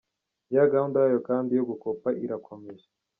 Ya gahunda yayo kandi yo gukopa irakomeje.